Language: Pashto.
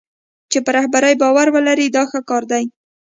چې په رهبر باور ولري دا ښه کار دی.